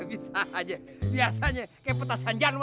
bisa aja biasanya kayak petas anjan weh